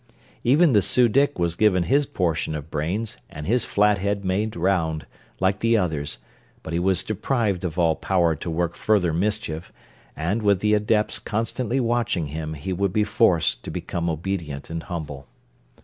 Even the Su dic was given his portion of brains and his flat head made round, like the others, but he was deprived of all power to work further mischief, and with the Adepts constantly watching him he would be forced to become obedient and humble.